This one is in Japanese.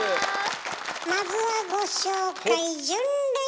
まずはご紹介。